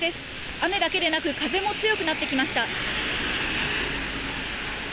雨だけでなく、風も強くなってきました。